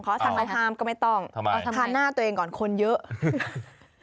เขาอาจจะทำก็ไม่ต้องทานหน้าตัวเองก่อนคนเยอะทำไม